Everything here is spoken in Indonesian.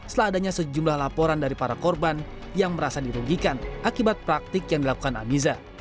setelah adanya sejumlah laporan dari para korban yang merasa dirugikan akibat praktik yang dilakukan amiza